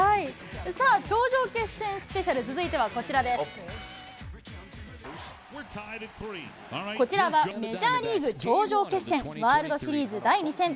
さあ、頂上決戦スペシャル、こちらはメジャーリーグ頂上決戦、ワールドシリーズ第２戦。